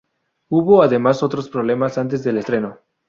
Hubo, además, otros problemas antes del estreno.